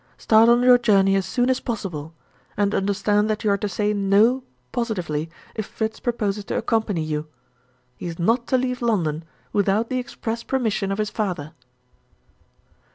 Start on your journey as soon as possible and understand that you are to say No positively, if Fritz proposes to accompany you. He is not to leave London without the express permission of his father."